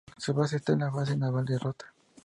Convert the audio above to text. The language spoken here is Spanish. Su base está en la Base Naval de Rota.